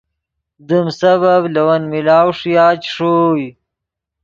دیم سبب لے ون ملاؤ ݰویا چے ݰوئے